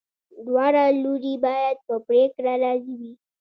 دواړه لوري باید په پریکړه راضي وي.